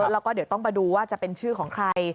แล้วก็เดี๋ยวต้องมาดูว่าจะเป็นชื่อของใคร